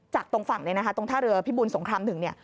จากตรงฝั่งตรงท่าเรือพิบูลสงครามถึง